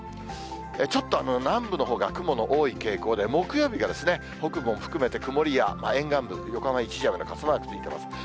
ちょっと南部のほうが雲の多い傾向で、木曜日が北部を含めて曇りや、沿岸部、横浜、一時雨の傘マークついてます。